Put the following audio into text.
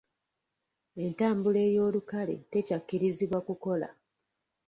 Entambula ey'olukale tekyakkirizibwa kukola.